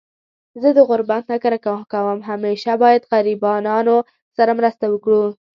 زه د غربت نه کرکه کوم .همیشه باید غریبانانو سره مرسته وکړو